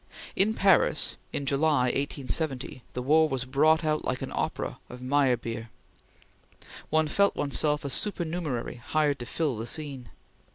In Paris, in July, 1870, the war was brought out like an opera of Meyerbeer. One felt one's self a supernumerary hired to fill the scene.